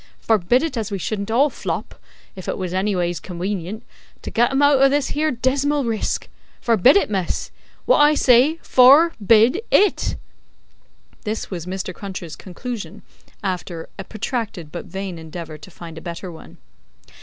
Forbid it as we shouldn't all flop (if it was anyways conwenient) to get 'em out o' this here dismal risk! Forbid it, miss! Wot I say, for bid it!" This was Mr. Cruncher's conclusion after a protracted but vain endeavour to find a better one.